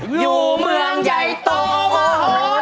อยู่เมืองใหญ่โตโมโห